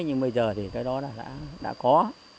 nhưng bây giờ thì cái đó đã có